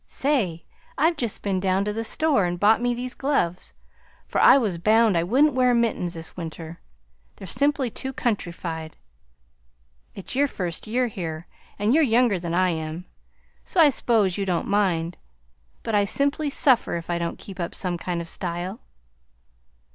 Say, I've just been down to the store and bought me these gloves, for I was bound I wouldn't wear mittens this winter; they're simply too countrified. It's your first year here, and you're younger than I am, so I s'pose you don't mind, but I simply suffer if I don't keep up some kind of style.